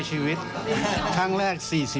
จะแก่ตายแล้วขอมาลักษณ์ที่๖